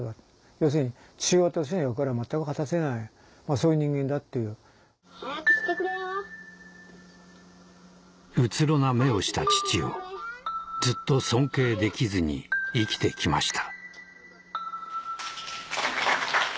・そういう人間だっていう・うつろな目をした父をずっと尊敬できずに生きてきました